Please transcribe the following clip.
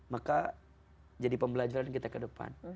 maka jadi pembelajaran kita ke depan